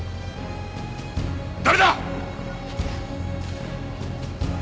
誰だ！